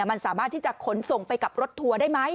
มันสามารถที่จะขนส่งไปกับรถทัวร์ได้ไหม